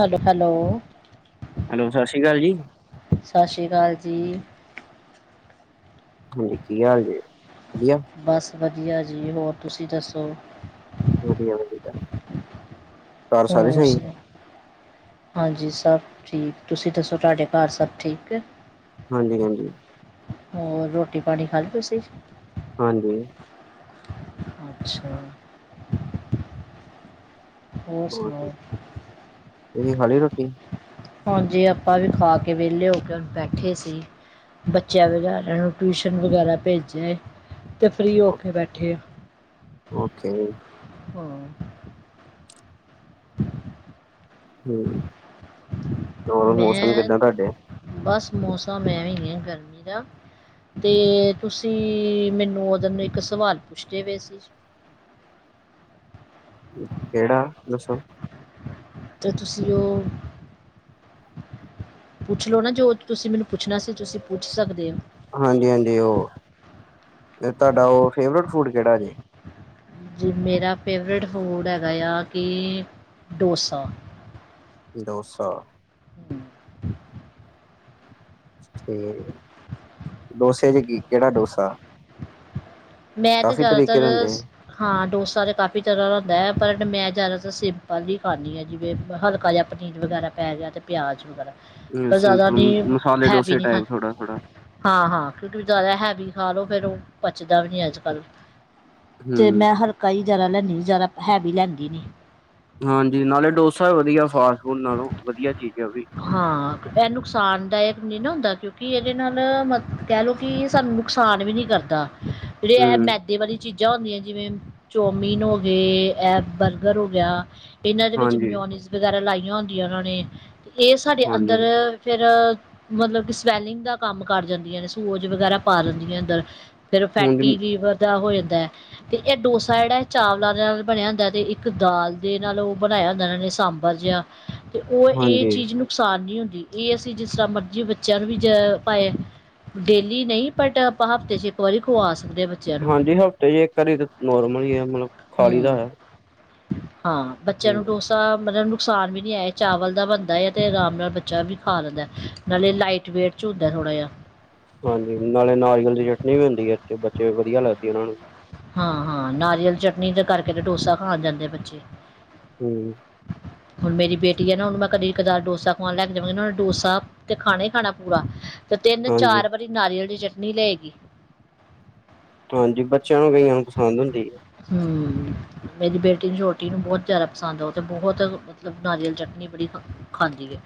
Hello hello hello ਸਤਿ ਸ਼੍ਰੀ ਅਕਾਲ ਜੀ। ਸਤਿ ਸ੍ਰੀ ਕਾਲ ਜੀ। [unintelligible] ਬਸ ਵਧੀਆਂ ਜੀ ਹੋਰ ਤੁਸੀਂ ਦੱਸੋ? ਵਧੀਆਂ ਵਧੀਆਂ। ਹੋਰ ਸੁਣਾਓ ਹਾਂਜੀ ਸਭ ਠੀਕ ਤੁਸੀਂ ਦੱਸੋ ਤੁਹਾਡੇ ਘਰ ਸਭ ਠੀਕ ਏ। ਹਾਂਜੀ ਹਾਂਜੀ। ਹੋਰ ਰੋਟੀ ਪਾਣੀ ਖਾ ਲਈ ਤੁਸੀਂ? ਹਾਂਜੀ। ਅੱਛਾ। ਹੋਰ ਸੁਣਾਓ? ਤੁਹੀਂ ਖਾ ਲੀ ਰੋਟੀ? ਹਾਂਜੀ ਆਪਾਂ ਵੀ ਖਾ ਕੇ ਵਿਹਲੇ ਹੋ ਕੇ ਹੁਣ ਬੈਠੇ ਸੀ। ਬੱਚਿਆਂ ਵਿਚਾਰਿਆਂ ਨੂੰ ਟਿਊਸ਼ਨ ਵਗੈਰਾ ਭੇਜਿਆਂ ਏ ਤੇ ਫ੍ਰਰੀ ਹੋ ਕੇ ਬੈਠੇ ਆ। ਓਕੇ ਜੀ ਹਾਂ ਹੂੰ ਹੋਰ ਮੌਸਮ ਮੈਂ ਕਿੱਦਾਂ ਤੁਹਾਡੇ ਬਸ ਮੌਸਮ ਐਵੇਂ ਈ ਏ ਗਰਮੀ ਦਾ ਤੇ ਤੁਸੀਂ ਮੈਨੂੰ ਓਦਨ ਇੱਕ ਸਵਾਲ ਪੁੱਛਦੇ ਪਏ ਸੀ। ਕਿਹੜਾ ਦੱਸੋ? ਤੇ ਤੁਸੀਂ ਓ ਪੁੱਛ ਲੋ ਨਾ ਜੋ ਤੁਸੀਂ ਮੈਨੂੰ ਪੁੱਛਣਾ ਸੀ ਤੁਸੀਂ ਪੁੱਛ ਸਕਦੇ ਓ। ਹਾਂਜੀ-ਹਾਂਜੀ, ਉਹ ਤੁਹਾਡਾ ਉਹ ਫੇਵਰੇਟ ਫੂਡ ਕਿਹੜਾ ਜੇ? ਜੀ ਮੇਰਾ ਫੇਵਰੇਟ ਫੂਡ ਹੈਗਾ ਆ ਕਿ ਡੋਸਾ। ਡੋਸਾ। ਤੇ ਡੋਸੇ ਚ ਕੀ, ਕਿਹੜਾ ਡੋਸਾ? ਮੈਂ ਤੇ ਕਾਫੀ ਤਰੀਕੇ ਦੇ ਹੁੰਦੇ ਜ਼ਿਆਦਾਤਰ ਸ ਹਾਂ ਡੋਸਾ ਤਾਂ ਕਾਫ਼ੀ ਤਰ੍ਹਾਂ ਦਾ ਹੁੰਦਾ ਐ ਪਰ ਮੈਂ ਜ਼ਿਆਦਾਤਰ ਸਿੰਪਲ ਹੀ ਖਾਂਣੀ ਆ ਜਿਵੇਂ ਹਲਕਾ ਜਾ ਪਨੀਰ ਵਗੈਰਾ ਪੈ ਗਿਆ ਤੇ ਪਿਆਜ਼ ਵਗੈਰਾ। ਆ ਮੈਂ ਜ਼ਿਆਦਾ ਸਿੰਪਲ ਨੀ ਮਸਾਲੇ ਹੈਵੀ ਡੋਸੇ ਨੀ ਟਾਈਪ ਥੋੜਾ, ਥੋੜਾ ਖਾਂਦੀ। ਹਾਂ-ਹਾਂ, ਕਿਉਂਕਿ ਜ਼ਿਆਦਾ ਹੈਵੀ ਖਾ ਲੋ ਫ਼ੇਰ ਉਹ ਪਚਦਾ ਵੀ ਨ੍ਹੀਂ ਅੱਜ ਕੱਲ੍ਹ ਤੇ ਹੂੰ। ਮੈਂ ਹਲਕਾ ਹੀ ਜ਼ਿਆਦਾ ਲੈਂਣੀ ਜ਼ਿਆਦਾ ਹੈਵੀ ਲੈਂਦੀ ਨੀ ਹਾਂਜੀ, ਨਾਲ਼ੇ ਡੋਸਾ ਵਧੀਆਂ ਫਾਸਟ ਫੂਡ ਨਾਲੋਂ ਵਧੀਆਂ ਚੀਜ਼ ਐ ਉਹ ਵੀ ਹਾਂ, ਇਹ ਨੁਕਸਾਨ-ਦਾਇਕ ਨ੍ਹੀਂ ਨਾ ਹੁੰਦਾ ਕਿਉਂਕਿ ਇਹਦੇ ਨਾਲ ਮਤ ਕਹਿ ਲੋ ਕਿ ਸਾਨੂੰ ਨੁਕਸਾਨ ਵੀ ਨੀ ਕਰਦਾ ਜਿਹੜੇ ਇਹ ਹੂੰ ਮੈਦੇ ਵਾਲੀ ਚੀਜਾ ਹੁੰਦੀਆ ਜਿਵੇ ਚੋਮੀਨ ਹੋ ਗਏ ਇਹ ਬਰਗਰ ਹੋ ਗਿਆ। ਇਹਨਾ ਦੇ ਵਿੱਚ ਹਾਂਜੀ, ਮਿਓਨੀਜ਼ ਵਗੈਰਾ ਲਾਈਆ ਹੁੰਦੀਆ ਉਹਨਾ ਨੇ ਇਹ ਸਾਡੇ ਹਾਂਜੀ। ਅੰਦਰ ਫੇਰ ਮਤਲਬ ਕਿ ਸਵੈਲਿੰਗ ਦਾ ਕੰਮ ਕਰ ਜਾਦੀਆ ਨੇ ਸੋਜ ਵਗੈਰਾ ਪਾ ਦਿੰਦੀਆ ਅੰਦਰ ਫੇਰ ਹਾਂਜੀ, ਫੈਟੀ ਲੀਵਰ ਦਾ ਹੋ ਜਾਦਾ ਐ। ਤੇ ਇਹ ਡੋਸਾ ਜਿਹੜਾ ਚਾਵਲਾ ਦੇ ਨਾਲ ਬਣਿਆ ਹੁੰਦਾ ਤੇ ਇੱਕ ਦਾਲ ਦੇ ਨਾਲ ਉਹ ਬਣਾਇਆ ਹੁੰਦਾ ਇਹਨਾ ਨੇ ਸਾਬਰ ਜਿਹਾ। ਤੇ ਉਹ ਇਹ ਹਾਂਜੀ, ਚੀਜ ਨੂੰ ਨੁਕਸਾਨ ਨੀ ਹੁੰਦੀ ਇਹ ਅਸੀ ਜਿਸ ਤਰ੍ਹਾਂ ਮਰਜੀ ਬੱਚਿਆ ਨੂੰ ਵੀ ਜ ਪਾਇਆ ਡੇਲੀ ਨਹੀ ਬਟ ਆਪਾ ਹਫਤੇ ਚ ਇੱਕ ਵਾਰੀ ਖਵਾ ਸਕਦੇ ਆ ਬੱਚ ਹਾਂਜੀ, ਹਫਤੇ ਚ ਇਕ ਵਾਰ ਤਾ ਨੋਰਮਲ ਈ ਆ, ਮਲਬ ਖਾ ਲੀ ਦੈ ਹਾ ਬੱਚਿਆ ਨੂੰ ਡੋਸ ਮਤਲਬ ਨੁਕਸਾਨ ਵੀ ਨਹੀ ਐ, ਚਾਵਲ ਦਾ ਬਣਦਾ ਏ ਤੇ ਆਰਾਮ ਨਾਲ ਬੱਚਾ ਵੀ ਖਾ ਲੈਦਾ ਐ। ਨਾਲੇ ਲਾਈਟ ਵੇਟ ਚ ਹੁੰਦਾ ਥੋੜ੍ਹਾ ਜਿਹਾ। ਹਾਂਜੀ, ਨਾਲੇ ਨਾਰੀਅਲ ਦੀ ਚਟਨੀ ਵੀ ਹੁੰਦੀ ਐ, ਬੱਚੇ ਨੁ ਵਧੀਆ ਲੱਗਦੀ ਉਹਨਾ ਨੂੰ। ਹਾਂ-ਹਾਂ, ਨਾਰੀਅਲ ਚਟਨੀ ਦੇ ਕਰਕੇ ਤੇ ਡੋਸਾ ਖਾਣ ਜਾਦੇ ਏ ਬੱਚੇ। ਹੁੰ। ਹੁਣ ਮੇਰੀ ਬੇਟੀ ਆ ਨਾ ਉਹਨੂੰ ਮੈ ਕਦੀ ਕਦਾਰ ਡੋਸਾ ਖਵਾਣ ਲੈ ਕੇ ਜਾਵਾਂਗੀ, ਉਹਨੇ ਡੋਸਾ ਤੇ ਖਾਣਾ ਹੀ ਖਾਣਾ ਪੂਰਾ ਤੇ ਤਿੰਨ ਹਾਂਜੀ, ਚਾਰ ਵਾਰੀ ਨਾਰੀਅਲ ਦੀ ਚਟਨੀ ਲਏਗੀ। ਹਾਂਜੀ, ਬੱਚਿਆ ਨੂੰ ਕਈਆ ਨੂੰ ਪਸੰਦ ਹੁੰਦੀ ਏ। ਹੁੰ, ਮੇਰੀ ਬੇਟੀ ਨੂੰ ਛੋਟੀ ਨੂੰ ਬਹੁਤ ਜ਼ਿਆਦਾ ਪਸੰਦ ਆ, ਉਹ ਤੇ ਬਹੁਤ ਮਤਲਬ ਨਾਰੀਅਲ ਚਟਨੀ ਬੜੀ ਖਾਂਦੀ ਏ।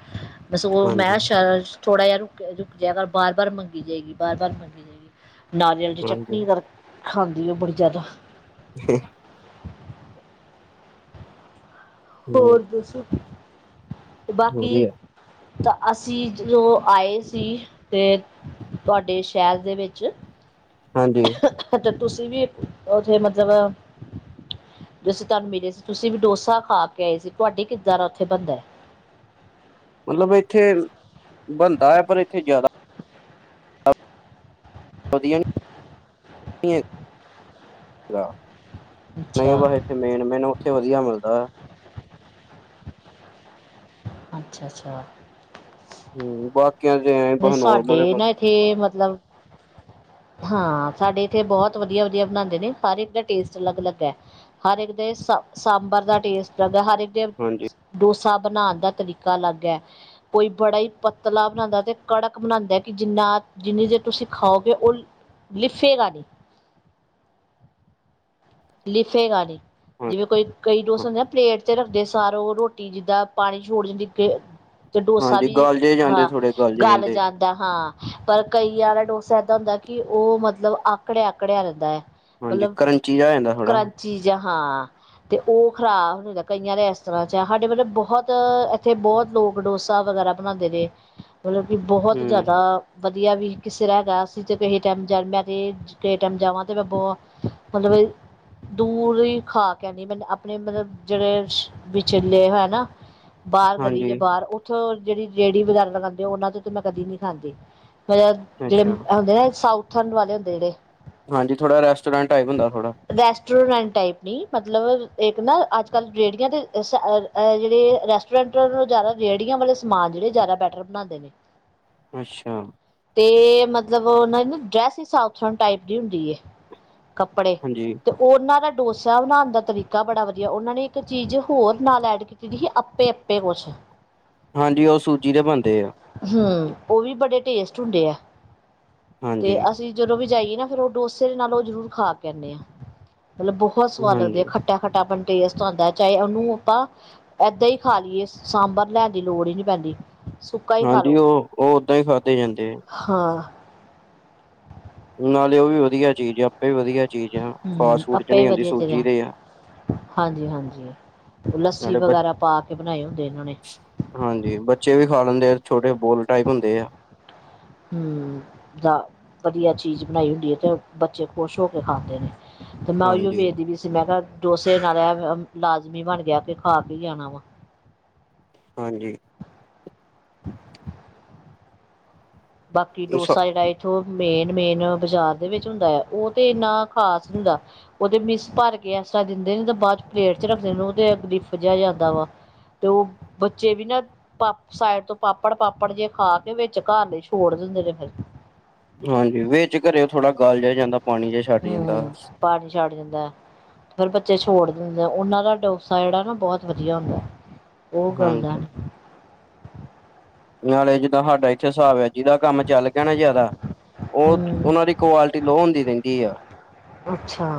ਬਸ ਉਹ ਮੈਂ ਹਾਂਜੀ, ਸ਼ਰ ਥੋੜਾ ਜਿਹਾ ਰੁਕ ਰੁਕ ਜਾਇਆ ਕਰ ਬਾਰ ਬਾਰ ਮੰਗੀ ਜਾਏਗੀ ਬਾਰ ਬਾਰ ਮੰਗੀ ਜਾਏਗੀ। ਨਾਰੀਅਲ ਦੀ ਹਾਂਜੀ। ਚਟਨੀ ਕਰ ਖਾਂਦੀ ਉਹ ਬੜੀ ਜਾਦਾ। [inaudible] ਹੂੰ, ਹੋਰ ਦੱਸੋ? ਬਾਕੀ ਵਧੀਆ ਤਾ ਅਸੀ ਜਦੋ ਆਏ ਸੀ, ਤੇ ਤੁਹਾਡੇ ਸ਼ਹਿਰ ਦੇ ਵਿੱਚ। ਹਾਂਜੀ। ਤੇ ਤੁਸੀ ਵੀ ਉੱਥੇ ਮਤਲਬ ਜਦੋ ਅਸੀ ਤੁਹਾਨੂੰ ਮਿਲੇ ਸੀ ਤੁਸੀ ਵੀ ਡੋਸਾ ਖਾ ਕੇ ਆਏ ਸੀ, ਤੁਹਾਡੇ ਕਿੱਦਾ ਦਾ ਉੱਥੇ ਬਣਦਾ? ਮਤਲਬ ਇੱਥੇ ਬਣਦਾ ਆ ਪਰ ਇੱਥੇ ਜਿਆਦਾ ਵਧੀਆ ਨਹੀਂ ਅੱਛਾ [unintelligible] ਮੇਨ ਮੇਨ ਉੱਥੇ ਵਧੀਆ ਮਿਲਦਾ। ਅੱਛਾ ਅੱਛਾ। ਹਮ ਬਹੁ [unintelligible] ਸਾਡੇ ਨਾ ਇੱਥੇ ਮਤਲਬ ਹਾ ਸਾਡੇ ਇੱਥੇ ਬਹੁਤ ਵਧੀਆ ਵਧੀਆ ਬਣਾਦੇ ਨੇ ਹਰ ਇੱਕ ਦਾ ਟੇਸਟ ਅਲੱਗ ਅਲੱਗ ਹੈ। ਹਰ ਇੱਕ ਦੇ ਸ ਸਾਂਬਰ ਦਾ ਟੇਸਟ [unintelligible] ਹਰ ਇੱਕ ਹਾਂਜੀ। ਡੋਸਾ ਬਣਾਣ ਦਾ ਤਰੀਕਾ ਅਲੱਗ ਐ ਕੋਈ ਬੜਾ ਹੀ ਪਤਲਾ ਬਣਾਦਾ ਤੇ ਕੜਕ ਬਣਾਦਾ ਕਿ ਜਿੰਨਾ ਜਿੰਨੀ ਦੇਰ ਤੁਸੀ ਖਾਓਗੇ ਉਹ ਲਿਫੇਗਾ ਨਹੀਂ। ਲਿਫੇਗਾ ਨੀ ਹਾਂਜੀ, ਜਿਵੇ ਕੋਈ ਕਈ ਡੋਸੇ ਹੁੰਦੇ ਨਾ ਪਲੇਟ ਚ ਰੱਖਦੇ ਸਾਰੋ ਰੋਟੀ ਜਿੱਦਾ ਪਾਣੀ ਛੋੜ ਜਾਂਦੀ ਕਿ ਤੇ ਡੋਸਾ ਹਾਂਜੀ ਵੀ ਗਾਲਜੇ ਜਾਂਦੇ ਹਾਂ ਥੋੜੇ ਗਾਲਜੇ ਗਲ ਜਾਂਦੇ ਜਾ ਹਾ ਪਰ ਕਈਆ ਦਾ ਡੋਸਾ ਏਦਾ ਹੁੰਦਾ ਕਿ ਉਹ ਮਤਲਬ ਆਕੜਿਆ ਆਕੜਿਆ ਰਹਿੰਦਾ। ਹਾਂਜੀ ਮਤਲਬ ਕਰੰਚੀ ਜਾ ਹੋ ਜਾਂਦਾ। ਥੋੜਾ। ਕਰੰਚੀ ਜਾ ਹਾਂ। ਤੇ ਉਹ ਖਰਾਬ ਹੁੰਦੇ ਕਈਆ ਦੇ ਇਸ ਤਰ੍ਹਾਂ ਚ ਸਾਡੇ ਮਤਲਬ ਬਹੁਤ ਇੱਥੇ ਬਹੁਤ ਲੋਕ ਡੋਸਾ ਵਗੈਰਾ ਬਣਾਦੇ [unintelligible] [inaudible] ਮਤਲਬ ਕਿ ਬਹੁਤ ਹੂੰ, ਜ਼ਿਆਦਾ ਵਧੀਆ ਵੀ ਕਿਸੇ ਰਾਹ ਹੈਗਾ ਅਸੀਂ ਤੇ ਕਿਸੇ ਟਾਈਮ [unintelligible] ਤੇ ਕੇ ਟਾਈਮ ਜਾਵਾਂ ਤੇ ਮੈਂ ਬਹੁਤ ਮਤਲਬ ਦੂਰੋ ਹੀ ਖਾ ਕੇ ਆਂਦੀ ਆਪਣੇ ਮਤਲਬ ਜਿਹੜੇ ਵਿਚੇਲੇ ਹੈ ਨਾ ਬਾਹਰ ਗਲੀ ਦੇ ਹਾਂਜੀ, ਬਾਹਰ ਉੱਥੋਂ ਜਿਹੜੀ ਰੇਹੜੀ ਵਗੈਰਾ ਲਗਾਉਂਦੇ ਉਹਨਾਂ ਤੋਂ ਤੇ ਮੈਂ ਕਦੀ ਨੀ ਖਾਂਦੀ। ਮਤਲਬ ਜਿਹੜੇ ਅੱਛਾ, ਹੁੰਦੇ ਨਾ ਸਾਊਥਣ ਵਾਲੇ ਹੁੰਦੇ ਜਿਹੜੇ ਹਾਂਜੀ ਥੋੜਾ ਰੈਸਟੋਰੈਂਟ [unintelligible] ਥੋੜਾ। ਰੈਸਟੋਰੈਂਟ ਟਾਈਪ ਨਹੀਂ ਮਤਲਬ ਇੱਕ ਨਾ ਅੱਜ ਕੱਲ੍ਹ ਰੇਹੜੀਆਂ ਤੇ ਸ ਜਿਹੜੇ ਰੈਸਟੋਰੈਂਟੋਂ ਜ਼ਿਆਦਾ ਰੇਹੜੀਆਂ ਵਾਲੇ ਸਮਾਨ ਜਿਹੜੇ ਜ਼ਿਆਦਾ ਬੈਟਰ ਬਣਾਉਂਦੇ ਨੇ। ਅੱਛਾ। ਤੇ ਮਤਲਬ ਉਹਨਾਂ ਦੀ ਨਾ ਡਰੈੱਸ ਹੀ ਸਾਊਥਨ ਟਾਈਪ ਦੀ ਹੁੰਦੀ ਹੈ ਕੱਪੜੇ। ਜੀ। ਤੇ ਉਹਨਾਂ ਦਾ ਡੋਸਾ ਬਣਾਉਣ ਦਾ ਤਰੀਕਾ ਬੜਾ ਵਧੀਆ ਉਹਨਾਂ ਨੇ ਇੱਕ ਚੀਜ਼ ਹੋਰ ਨਾਲ ਐਡ [unintelligible] ਅਪੇ ਅਪੇ ਕੁਛ। ਹਾਂਜੀ ਉਹ ਸੂਜੀ ਦੇ ਬਣਦੇ ਆ। ਹਮ ਉਹ ਵੀ ਬੜੇ ਟੇਸਟ ਹੁੰਦੇ ਆ ਹਾਂਜੀ। ਤੇ ਅਸੀਂ ਜਦੋਂ ਵੀ ਜਾਈਏ ਨਾ ਫੇਰ ਉਹ ਡੋਸੇ ਦੇ ਨਾਲ ਉਹ ਜ਼ਰੂਰ ਖਾ ਕੇ ਆਂਨੇ ਆ। ਮਤਲਬ ਬਹੁਤ ਸਵਾਦ ਲੱਗਦੀ ਹਾਂਜੀ, ਆ ਖੱਟਾ ਖੱਟਾ ਪਣ ਟੇਸਟ ਆਂਦਾ ਚਾਹੇ ਉਹਨੂੰ ਅਪਾਂ ਏਦਾਂ ਹੀ ਖਾ ਲਈਏ ਸਾਂਬਰ ਲੈਣ ਦੀ ਲੋੜ ਹੀ ਨੀ ਪੈਂਦੀ। ਸੁੱਕਾ ਹੀ ਖਾ ਹਾਂਜੀ ਲੋ ਉਹ ਉਹ ਓਦਾਂ ਹੀ ਖਾਧੇ ਜਾਂਦੇ ਹੈ। ਹਾਂ। ਨਾਲੇ ਉਹ ਵੀ ਵਧੀਆ ਚੀਜ਼ ਆ ਆਪੇ ਵਧੀਆ ਚੀਜ਼ ਆ, ਹਮ ਫਾਸਟ ਫੂਡ ਚ ਆਪੇ ਨਹੀਂ ਆਉਂਦੀ ਵੀ ਸੂਜੀ ਵਧੀਆ। ਦੇ ਆ। [unintelligible] ਹਾਂਜੀ ਹਾਂਜੀ ਓੁਹ ਲੱਸੀ ਨਾਲੇ ਬ ਵਗੈਰਾ ਪਾ ਕੇ ਬਣਾਏ ਹੁੰਦੇ ਇਹਨਾਂ ਨੇ। ਹਾਂਜੀ ਬੱਚੇ ਵੀ ਖਾ ਲੈਂਦੇ ਆ ਛੋਟੇ ਬੋਲ ਟਾਈਪ ਹੁੰਦੇ ਆ। ਹਮ ਦਾ ਵਧੀਆ ਚੀਜ਼ ਬਣਾਈ ਹੁੰਦੀ ਹੈ ਤੇ ਬੱਚੇ ਖੁਸ਼ ਹੋ ਕੇ ਖਾਂਦੇ ਨੇ। ਤੇ ਮੈਂ ਓਹੀਓ ਹਾਂਜੀ। ਵੇਖਦੀ ਮੈਂ ਕੇਆ, ਡੋਸੇ ਨਾਲ ਆ ਲਾਜ਼ਮੀ ਬਨ ਗਿਆ ਕਿ ਖਾ ਕੇ ਈ ਆਨਾ ਹੁਨ। ਹਾਂਜੀ। [inaudible] ਬਾਕੀ ਡੋਸਾ ਜੇੜਾ ਏਹ ਥੋਂ ਮੇਨ-ਮੇਨ ਬਾਜ਼ਾਰ ਦੇ ਵਿੱਚ ਹੁੰਦੈ, ਉਹ 'ਤੇ ਏੰਨਾ ਖ਼ਾਸ ਹੁੰਦਾ। ਉਹਦੇ ਮਿਸ ਭਰ ਕੇ ਐਸ ਤਰ੍ਹਾਂ ਦਿੰਦੇ ਨੇ 'ਤੇ ਬਾਦ 'ਚ ਪਲੇਟ 'ਚ ਰੱਖਦੇ ਨੇ, ਉਹ ਤੇ ਲਿਫ ਜੇਆ ਜਾਂਦਾ ਵਾ। ਤੇ ਉਹ ਬੱਚੇ ਵੀ ਨਾ, ਪਾਪ ਸਾਈਡ ਤੋਂ ਪਾਪੜ-ਪਾਪੜ ਜੇਹੇ ਖਾ ਕੇ, ਵਿੱਚ ਘਰ ਲਈ ਤੋੜ ਦਿੰਦੇ ਨੇ ਫਿਰ ਹਾਂਜੀ, ਵਿਚ ਘਰੇ ਥੋੜਾ ਗਲ ਜੇਆ ਜਾਂਦਾ, ਪਾਨੀ ਜਿ ਛੱਡ ਜਾਂਦਾ। ਪਾਨੀ ਛਡ ਦਿੰਦੈ। ਫਿਰ ਬੱਚੇ ਛੋੜ ਦਿੰਦੇ, ਉਨਾਂ ਦਾ ਡੋਸਾ ਜੇੜਾ ਨਾ ਬੋਤ ਵਦੀਆ ਹੁੰਦੈ, ਉਹ ਗੱਲਦੈ। ਹਾਂਜੀ, ਨਾਲੇ ਜਿੱਦਾਂ ਸਾਡਾ ਇੱਥੇ ਹਿਸਾਬ ਐ, ਜਿੱਦਾ ਕੰਮ ਚੱਲ ਗਿਆ ਨਾ ਜਾਦਾ, ਉਹ ਹੂੰ ਉਨਾਂ ਦੀ ਕੁਆਲਿਟੀ ਲੋਅ ਹੁੰਦੀ ਰੈਂਦੀ ਆ। ਅੱਛਾ।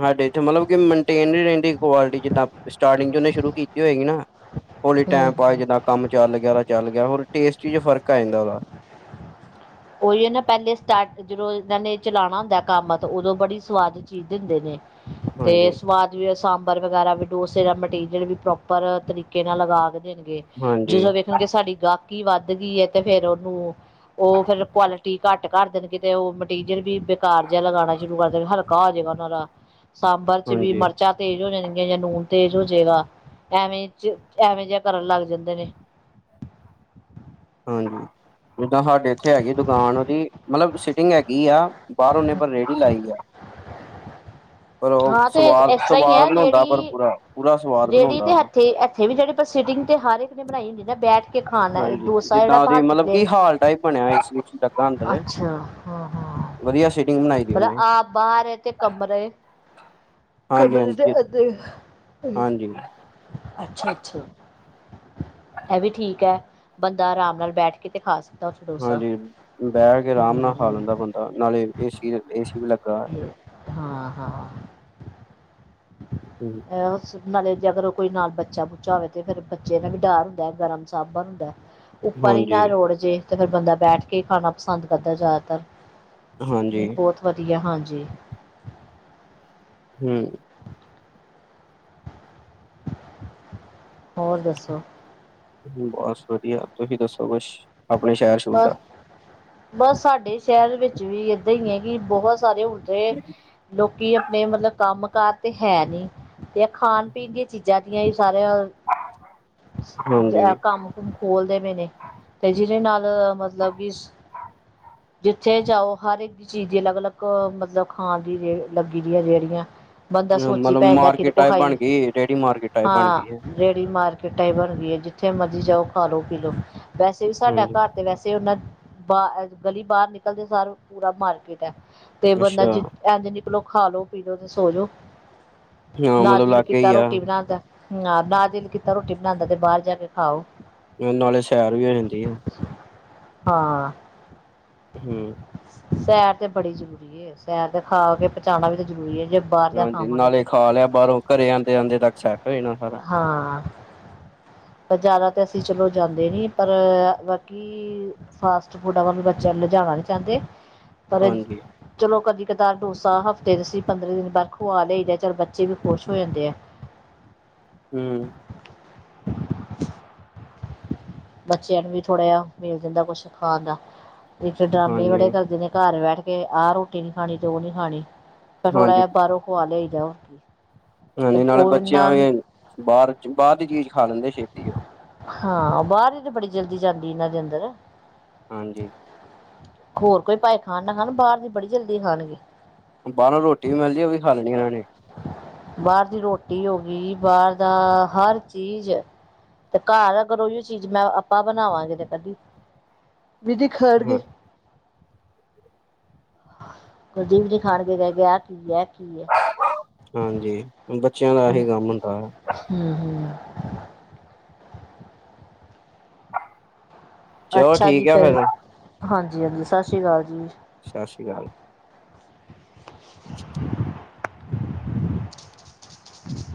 ਸਾਡੇ ਇੱਥੇ ਮਤਲਬ ਕਿ ਮੇਨਟੇਨ ਰੈਂਦੀ ਕੁਆਲਿਟੀ ਜਿੱਦਾਂ, ਸਟਾਰਟਿੰਗ 'ਚ ਉਂਨੇ ਸ਼ੁਰੂ ਕੀਤੀ ਹੋਏਗੀ ਨਾ। ਹੌਲੀ ਹੂੰ ਟੈਮ ਪਾ ਹੂੰ ਜਿੰਨਾ ਕੰਮ ਚੱਲ ਗੇਆ ਤਾਂ ਚੱਲ ਗੇਆ, ਹੋਰ ਟੇਸਟੀ ਚ ਫਰਕ ਆ ਜਾਂਦਾ ਵਾ। ਓਈ ਏ ਨਾ, ਪੈਲੇ ਸਟਾਰਟ ਜਦੋਂ ਇੰਨਾਂ ਨੇ ਚਲਾਣਾ ਹੁੰਦਾ ਕੰਮ ਤਾਂ ਉਦੋਂ ਬੜੀ ਸਵਾਦ ਚੀਜ਼ ਦਿੰਦੇ ਨੇ। 'ਤੇ ਹਾਂਜੀ, ਸਵਾਦ ਜਿਵੇਂ ਸਾਂਬਰ ਵਗੈਰਾ ਵੀ ਡੋਸੇ ਦਾ ਮਟੀਰੀਅਲ ਵੀ ਪ੍ਰੋਪਰ, ਤਰੀਕੇ ਨਾਲ ਲਗਾ ਕੇ ਦੇਨਗੇ। ਹਾਂਜੀ, ਜਦੋਂ ਵੇਖਨਗੇ ਸਾਡੀ ਗਾਹਕੀ ਵੱਧ ਗਈ ਏ 'ਤੇ ਫੇਰ ਉਨੂੰ, ਉਹ ਫਿਰ ਕੁਆਲਿਟੀ ਘੱਟ ਕਰ ਦੇਨਗੇ, 'ਤੇ ਉਹ ਮਟੀਰੀਅਲ ਵੀ ਬੇਕਾਰ ਜੇਆ ਲਗਾਨਾ ਸ਼ੁਰੂ ਕਰ ਦੇਨ, ਹਲਕਾ ਹੋ ਜੇਗਾ ਉਨਾਂ ਦਾ। ਸਾਂਬਰ 'ਚ ਵੀ ਹਾਂਜੀ, ਮਰਚਾਂ ਤੇਜ਼ ਹੋ ਜਾਨਗੀਆਂ ਜਾਂ ਨੂਨ ਤੇਜ਼ ਹੋ ਜਏਗਾ, ਐਵੇਂ 'ਚ ਐਵੇਂ ਜੇਆ ਕਰਨ ਲੱਗ ਜਾਂਦੇ ਨੇ। ਹਾਂਜੀ, ਜਿੱਦਾਂ ਸਾਡੇ ਇੱਥੇ ਹੈਗੀ ਦੁਕਾਨ ਉਦੀ, ਮਤਲਬ ਸਿਟਿੰਗ ਹੈਗੀ ਆ। ਬਾਰ ਉਨੇ ਪਰ ਰੇੜ੍ਹੀ ਲਾਈ ਆ। ਪਰ ਉਹ ਹਾ 'ਤੇ ਸਵਾਦ ਐਸ ਤਰ੍ਹਾਂ ਈ ਸਵਾਦ ਐ ਬਣਾਉਂਦਾ ਜੇੜੀ, ਪਰ ਪੂਰਾ ਪੂਰਾ ਸਵਾਦ ਰੇੜੀ 'ਤੇ ਬਣਾਉਂਦਾ ਵਾ। ਐਥੇ ਈ ਐ। ਏਹ ਵੀ ਜੇੜੀ ਪਰ ਸਿਟਿੰਗ ਤਾਂ ਹਰ ਇੱਕ ਨੇ ਬਨਾਈ ਦੀ ਏ, ਬੈਠ ਕੇ ਖਾਨੈ ਹਾਂਜੀ ਡੋਸਾ ਜੇੜਾ ਜਿੱਦਾਂ ਭਰ ਉਹਦੀ 'ਚ ਮਤਲਬ ਪਲੇਟ, ਕਿ ਹਾਲ ਟਾਈਪ ਬਣਿਆ ਏਸੀ ਉਸੀ ਲੱਗਾ ਅੰਦਰ। ਅੱਛਾ। ਹਾਂ-ਹਾਂ, ਵਧੀਆ ਸੀਟਿੰਗ ਬਣਾਈ ਦੀ ਮਤਲਬ ਉਹਨੇ ਆਪ ਬਾਹਰ ਏ ਤੇ ਕਮਰੇ [inaudible] ਕਮਰੇ ਦੇ ਹਾਂਜੀ, ਅੱਗੇ ਹਾਂਜੀ। ਅੱਛਾ -ਅੱਛਾ। ਐਹ ਵੀ ਠੀਕ ਐ, ਬੰਦਾ ਆਰਾਮ ਨਾਲ ਬੈਠ ਕੇ ਤੇ ਖਾ ਸਕ ਹਾਂਜੀ, ਬਹਿ ਕੇ ਆਰਾਮ ਨਾਲ ਖਾ ਲੈਂਦਾ ਬੰਦਾ, ਨਾਲੇ ਏ ਸੀ -ਏ ਸੀ ਵੀ ਲੱਗਾ ਐ। ਹਾਂ ਹਾਂ। ਹੂੰ। ਹੈਲਸ। ਨਾਲੇ ਅਗਰ ਕੋਈ ਨਾਲ ਬੱਚਾ- ਬੁੱਚਾ ਹੋਵੇ, 'ਤੇ ਫੇਰ ਬੱਚੇ ਦਾ ਵੀ ਡਰ ਹੁੰਦੈ, ਗਰਮ ਸਾਬਨ ਹੁੰਦੈ। ਉੱਪਰ ਈ ਹਾਂਜੀ ਨਾ ਰੋੜ ਜੇ 'ਤੇ ਫਿਰ ਬੰਦਾ ਬੈਠ ਕੇ ਈ ਖਾਨਾ ਪਸੰਦ ਕਰਦਾ ਜਾਦਾਤਰ। ਹਾਂਜੀ ਨਈਂ ਬੋਤ ਵਦੀਆ ਹਾਂਜੀ। ਹੂੰ। ਹੋਰ ਦੱਸੋ? ਬਸ ਵਦੀਆ, ਤੁਸੀਂ ਦੱਸੋ ਕੁਸ਼? ਅਪਨੇ ਸ਼ੈਰ-ਸ਼ੂਰ ਬਸ ਦਾ। ਬਸ ਸਾਡੇ ਸ਼ਹਿਰ ਵਿੱਚ ਵੀ ਏਦਾ ਈ ਏ, ਵੀ ਬੋਤ ਸਾਰੇ ਹੁਡੇ। ਲੋਕੀ ਅਪਨੇ ਮਤਲਬ ਕੰਮ- ਕਾਰ 'ਤੇ ਹੈ ਨੀ, 'ਤੇ ਖਾਨ ਪੀਨ ਦੀ ਚੀਜ਼ਾਂ ਜੀਜਾ ਜੀ ਸਾਰਿਆਂ, ਹਾਂਜੀ ਦਾ ਕੰਮ। ਖੋਲ ਦੇਵੇ ਨੇ, ਤੇ ਜਿਹਦੇ ਨਾਲ ਮਤਲਬ ਕਿ ਜਿੱਥੇ ਜਾਓ ਹਰ ਇੱਕ ਚੀਜ਼ ਦੀਆਂ ਅਲੱਗ-ਅਲੱਗ ਮਤਲਬ ਖਾਣ ਦੀੇ ਲੱਗੀ ਦੀਆਂ ਰੇਹੜੀਆਂ। ਬੰਦਾ ਸੋਚੀ ਮਤਲਬ ਪੈ ਜਾਂਦਾ ਕਿ ਕੀਹਦੇ ਮਾਰਕੀਟ ਕੋਲ ਟਾਈਪ ਖਾਈਏ, ਬਣ ਗਈ ਰੇਹੜੀ ਮਾਰਕੀਟ ਟਾਈਪ ਬਣ ਗਈ ਹੈ ਹਾਂ। ਰੇੜੀ ਮਾਰਕੀਟਾ ਹੀ ਬਣ ਗਈਆਂ ਜਿੱਥੇ ਮਰਜੀ ਜਾਓ ਖਾ ਲੋ ਪੀਲੋ, ਵੈਸੇ ਵੀ ਸਾਡਾ ਹਾਂਜੀ ਘਰ ਤੇ ਵੈਸੇ ਉਹਨਾ, ਬ ਗਲੀ ਬਾਹਰ ਨਿਕਲਦੇ ਸਾਰਾ ਪੂਰਾ ਮਾਰਕੀਟ ਐ ਤੇ ਬੰਦਾ ਅੱਛਾ ਜ ਇੰਝ ਨਿਕਲੋ ਖਾ ਲੋ ਪੀਲੋ ਤੇ ਸੋਜੋ, ਹਾਂ ਨਾ ਮਤਲਬ ਦਿਲ ਲਾਗੇ ਕੀਤਾ ਹੀ ਆ ਰੋਟੀ ਬਣਾਣ ਦਾ। ਹਾਂ ਨਾ ਦਿਲ ਕੀਤਾ ਰੋਟੀ ਬਣਾਣ ਦਾ ਤੇ ਬਾਹਰ ਜਾ ਕੇ ਖਾ ਆਓ। ਨਾਲੇ ਸੈਰ ਵੀ ਹੋ ਜਾਂਦੀ ਏ। ਹਾਂ। ਹੂੰ। ਸੈਰ ਤੇ ਬੜੀ ਜ਼ਰੂਰੀ ਏ ਸੈਰ ਤੇ ਖਾ ਕੇ ਜਾਣਾ ਵੀ ਤਾਂ ਜ਼ਰੂਰੀ ਏ ਜੇ ਬਾਹਰ ਦਾ ਹਾਂਜੀ ਖਾਵਾਂਗੇ ਨਾਲੇ ਤੇ, ਖਾ ਲਿਆ ਬਾਹਰੋਂ ਘਰੇ ਆਉਂਦੇ ਆਉਂਦੇ ਤੱਕ ਸੈੱਟ ਹੋ ਜਾਣਾ ਸਾਰਾ ਹਾਂ। ਜ਼ਿਆਦਾ ਤਾਂ ਅਸੀਂ ਚਲੋ ਜਾਂਦੇ ਨੀ ਪਰ ਕਿ ਫਾਸਟ ਫੂਡਾਂ ਵੱਲ ਵੀ ਬੱਚੇ ਲਿਜਾਣਾ ਨੀ ਚਾਂਦੇ ਪਰ ਹਾਂਜੀ ਚਲੋ ਕਦੀ ਕਤਾਰ ਡੋਸਾ ਹਫ਼ਤੇ ਦੇ ਸੀ ਪੰਦਰਾਂ ਦਿਨ ਬਾਹਰੋਂ ਖਵਾ ਲਿਆਈ ਦਾ ਚਲ ਬੱਚੇ ਵੀ ਖੁਸ਼ ਹੋ ਜਾਂਦੇ ਆ। ਹੂੰ ਬੱਚਿਆਂ ਨੂੰ ਵੀ ਥੋੜ੍ਹਾ ਜਿਹਾ ਮਿਲ ਜਾਂਦਾ ਕੁਛ ਖਾਣ ਦਾ, ਨਹੀਂ ਤਾਂ ਡਰਾਮੇ ਹਾਂਜੀ ਬੜੇ ਕਰਦੇ ਨੇ ਘਰ ਬੈਠ ਕੇ ਆਹ ਰੋਟੀ ਨੀ ਖਾਣੀ ਤੇ ਉਹ ਨੀ ਖਾਣੀ, ਫਿਰ ਥੋੜ੍ਹਾ ਹਾਂਜੀ ਜਿਹਾ ਬਾਹਰੋਂ ਖਵਾ ਲਿਆਈ ਦਾ। ਹਾਂਜੀ ਨਾਲੇ ਬੱਚਿਆਂ ਵੀ, ਬਾਹਰ ਬਾਹਰ ਦੀ ਚੀਜ਼ ਖਾ ਲੈਂਦੇ ਛੇਤੀ ਉਹ। ਹਾਂ ਬਾਹਰ ਦੀ ਤੇ ਬੜੀ ਜਲਦੀ ਜਾਂਦੀ ਇਹਨਾਂ ਦੇ ਅੰਦਰ। ਹਾਂਜੀ। ਹੋਰ ਕੋਈ ਭਾਵੇਂ ਖਾਣ ਨਾ ਖਾਣ ਬਾਹਰ ਦੀ ਬੜੀ ਜਲਦੀ ਖਾਣਗੇ। ਬਾਹਰੋਂ ਰੋਟੀ ਵੀ ਮਿਲਦੀ ਉਹ ਵੀ ਖਾ ਲੈਣੀ ਇਹਨਾਂ ਨੇ। ਬਾਹਰ ਦੀ ਰੋਟੀ ਹੋ ਗਈ, ਬਾਹਰ ਦਾ ਹਰ ਚੀਜ਼। ਤੇ ਘਰ ਆ [unintelligible] ਚੀਜ਼ ਮੈਂ ਆਪਾਂ ਬਣਾਵਾਂਗੇ ਤੇ ਕਦੀ, ਵੀ ਦੀ ਹਾਂ ਖਾਣਗੇ। [inaudible] ਕੁਲਦੀਪ ਦੀ ਖਾਣ ਗਏ ਕਹਿ ਕੇ ਆਹ ਕੀ ਏ ਕੀ ਏ। ਹਾਂਜੀ, ਬੱਚਿਆਂ ਦਾ ਆਹੀ ਕੰਮ ਹੁੰਦਾ। ਹੂੰ-ਹੂੰ। ਚਲੋ ਅੱਛਾ ਜੀ ਠੀਕ ਆ ਫਿਰ, ਫੇਰ ਹਾਂਜੀ-ਹਾਂਜੀ ਸਾਸਰੀ ਕਾਲ ਜੀ। ਸਸ਼ੀ ਕਾਲ।